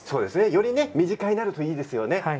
より身近になるといいですね。